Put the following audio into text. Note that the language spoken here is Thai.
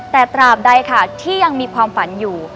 แต่ตราบใดค่ะที่ยังมีความฝันอยู่